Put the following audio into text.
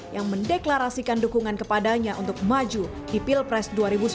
yang mendeklarasikan dukungan kepadanya untuk maju di pilpres dua ribu sembilan belas